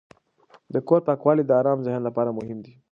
د کور پاکوالی د آرام ذهن لپاره مهم دی.